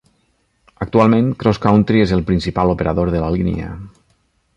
Actualment CrossCountry és el principal operador de la línia.